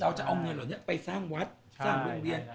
จะเอาเงินเหล่านี้ไปสร้างวัดสร้างโรงเรียน